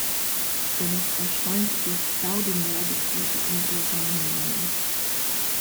Dennoch erscheint "„Der Staudinger“" bis heute unter seinem Namen.